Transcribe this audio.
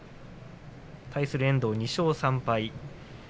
対する遠藤は２勝３敗。